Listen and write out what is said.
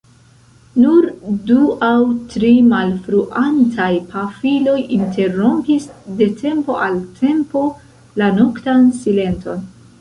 Nur du aŭ tri malfruantaj pafiloj interrompis de tempo al tempo la noktan silenton.